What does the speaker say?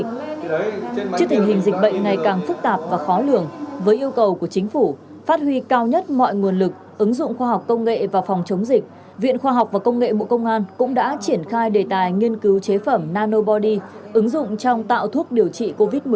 trước tình hình dịch bệnh ngày càng phức tạp và khó lường với yêu cầu của chính phủ phát huy cao nhất mọi nguồn lực ứng dụng khoa học công nghệ và phòng chống dịch viện khoa học và công nghệ bộ công an cũng đã triển khai đề tài nghiên cứu chế phẩm nanobody ứng dụng trong tạo thuốc điều trị covid một mươi chín